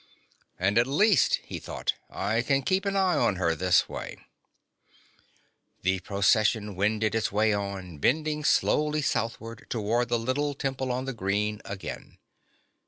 And at least, he thought, I can keep an eye on her this way. The Procession wended its way on, bending slowly southward toward the little Temple on the Green again.